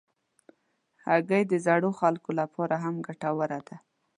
هګۍ د زړو خلکو لپاره هم ګټوره ده.